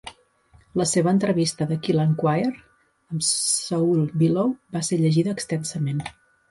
La seva entrevista de "Quill and Quire" amb Saul Bellow va ser llegida extensament.